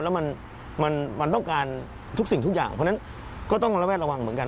แล้วมันต้องการทุกสิ่งทุกอย่างเพราะฉะนั้นก็ต้องระแวดระวังเหมือนกัน